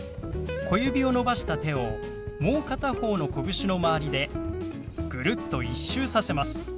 小指を伸ばした手をもう片方のこぶしの周りでぐるっと１周させます。